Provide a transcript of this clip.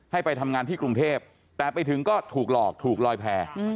ให้ไปทำงานที่กรุงเทพแต่ไปถึงก็ถูกหลอกถูกลอยแพร่